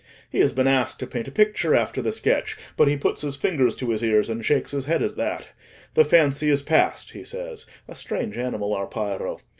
He has been asked to paint a picture after the sketch, but he puts his fingers to his ears and shakes his head at that; the fancy is past, he says—a strange animal, our Piero.